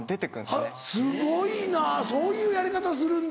すごいなそういうやり方するんだ。